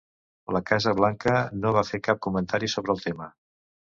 La Casa Blanca no va fer cap comentari sobre el tema.